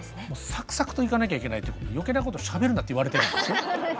サクサクといかなきゃいけないってことで余計なことしゃべるなって言われて。